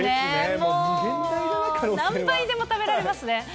もう無限大だな、何杯でも食べられますね。